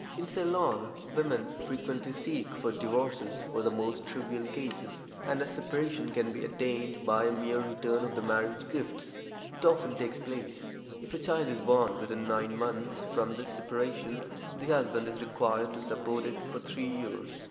In Ceylon, women frequently seek for divorces for the most trivial causes, and as separation can be attained by a mere return of the marriage gifts, it often takes place. If a child is born within nine months from this separation, the husband is required to support it for three years.